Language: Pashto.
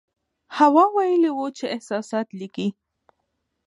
هوا ویلي وو چې احساسات لیکي.